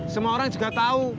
semua orang juga tau